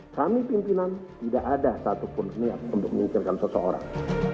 kami pimpinan tidak ada satupun niat untuk menyingkirkan seseorang